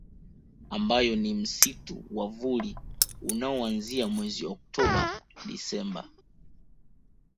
Ambayo ni Msimu wa Vuli unaoanzia mwezi Oktoba Desemba